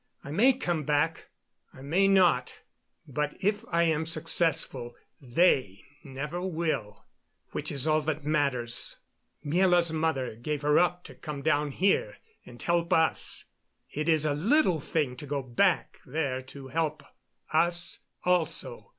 I may come back; I may not. But if I am successful, they never will which is all that matters. "Miela's mother gave her up to come down here and help us. It is a little thing to go back there to help us, also.